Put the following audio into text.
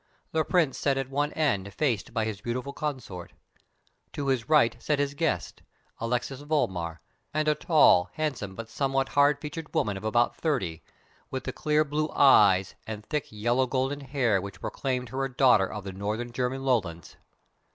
The Prince sat at one end faced by his beautiful consort. To his right sat his guest, Alexis Vollmar, and a tall, handsome, but somewhat hard featured woman of about thirty, with the clear blue eyes and thick, yellow gold hair which proclaimed her a daughter of the northern German lowlands.